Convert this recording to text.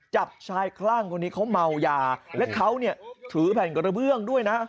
จับชายคลั่งคนนี้เขาเมายาและเขาเนี่ยถือแผ่นกระเบื้องด้วยนะ